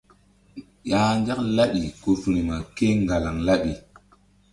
Ya Nzak laɓi ku firma kéŋgalaŋ laɓi.